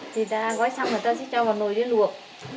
gói xong rồi ta sẽ cho vào nồi để luộc